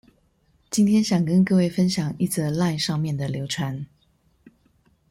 今天想跟各位分享一則賴上面流傳